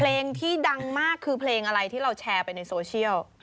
เพลงที่ดังมากคือเพลงอะไรที่เราแชร์ไปในโซเชียล